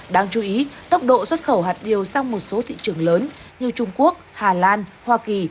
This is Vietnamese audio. đáng chú ý tốc độ xuất khẩu hạt điều sang một số thị trường lớn như trung quốc hà lan hoa kỳ